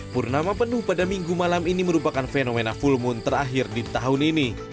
purnama penuh pada minggu malam ini merupakan fenomena full moon terakhir di tahun ini